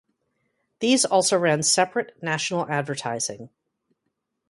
These also ran separate national advertising.